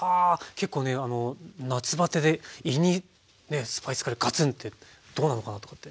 結構ね夏バテで胃にねスパイスカレーガツンってどうなのかなとかって。